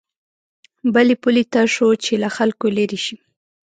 بلې پولې ته شو چې له خلکو لېرې شي.